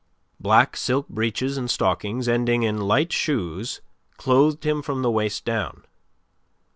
Black silk breeches and stockings ending in light shoes clothed him from the waist down.